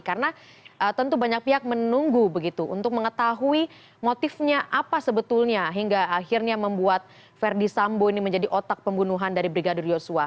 karena tentu banyak pihak menunggu begitu untuk mengetahui motifnya apa sebetulnya hingga akhirnya membuat verdi sambo ini menjadi otak pembunuhan dari brigadir oswa